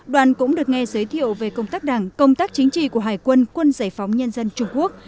đoàn cũng được nghe giới thiệu về công tác đảng công tác chính trị của hải quân quân giải phóng nhân dân trung quốc